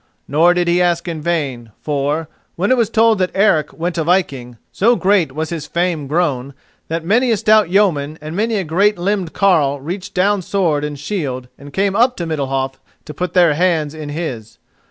Nor did he ask in vain, for, when it was told that Eric went a viking, so great was his fame grown, that many a stout yeoman and many a great limbed carle reached down sword and shield and came up to Middalhof to put their hands in his.